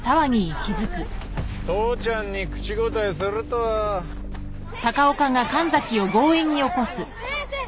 父ちゃんに口答えするとは先生やめて！